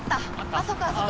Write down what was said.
あそこあそこ！